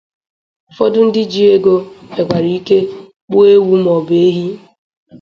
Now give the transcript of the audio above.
Ụfọdụ ndị ji ego nwekwara ike gbuo ewu maọbụ ehi